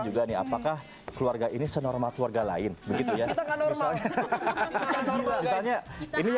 juga nih apakah keluarga ini senormal keluarga lain